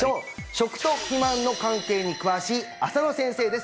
食と肥満の関係に詳しい浅野先生です